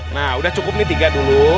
nah udah cukup nih tiga dulu